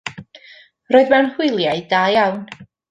Roedd mewn hwyliau da iawn.